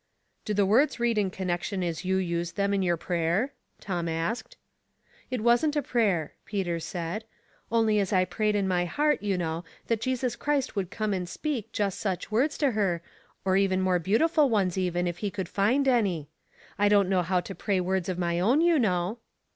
" Do the words read in connection as you used them in your prayer ?" Tom asked. " It wasn't a prayer," Peter said. " Only as I prayed in my heart, you know, that Jesus Christ would come and speak just such words to her, or maybe more beautiful ones even, if he could find " What is the Difference f" 87 any. I didn't know how to pray words of my own, you know."